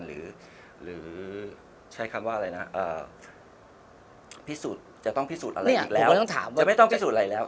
หรือใช้คำว่าอะไรนะพิสูจน์จะต้องพิสูจน์อะไรอีกแล้วจะไม่ต้องพิสูจน์อะไรแล้ว